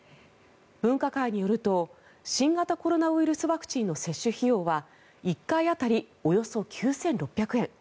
分科会によると新型コロナウイルスワクチンの接種費用は１回当たりおよそ９６００円。